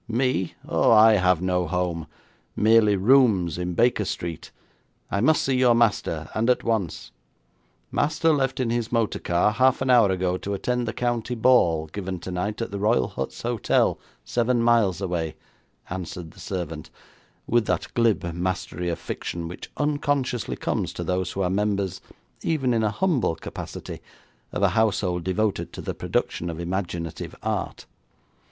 'Me? Oh, I have no home, merely rooms in Baker Street. I must see your master, and at once.' 'Master left in his motor car half an hour ago to attend the county ball, given tonight, at the Royal Huts Hotel, seven miles away,' answered the servant, with that glib mastery of fiction which unconsciously comes to those who are members, even in a humble capacity, of a household devoted to the production of imaginative art.